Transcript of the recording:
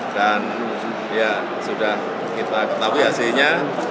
dan ya sudah kita ketahui hasilnya dua